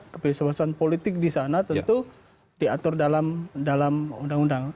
kebebasan politik di sana tentu diatur dalam undang undang